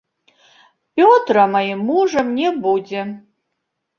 Пётра маім мужам не будзе.